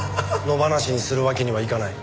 野放しにするわけにはいかない。